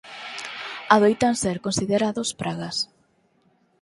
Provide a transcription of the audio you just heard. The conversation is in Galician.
Adoitan ser considerados pragas.